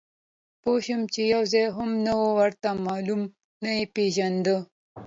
پوه شوم چې یو ځای هم نه و ورته معلوم، نه یې پېژانده.